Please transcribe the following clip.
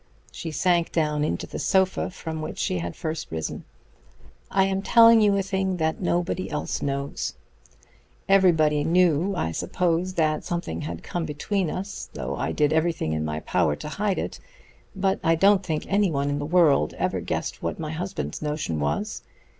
She sank down into the sofa from which she had first risen. "I am telling you a thing that nobody else knows. Everybody knew, I suppose, that something had come between us, though I did everything in my power to hide it. But I don't think any one in the world ever guessed what my husband's notion was.